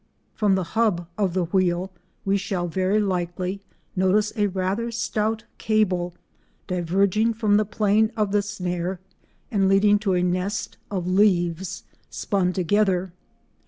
From the hub of the wheel we shall very likely notice a rather stout cable diverging from the plane of the snare and leading to a nest of leaves spun together.